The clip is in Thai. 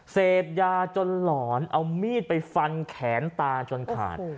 เสพยาจนหลอนเอามีดไปฟันแขนตาจนขาด